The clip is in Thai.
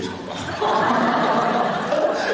อ๋อใช่